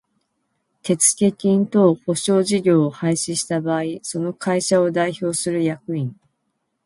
手付金等保証事業を廃止した場合その会社を代表する役員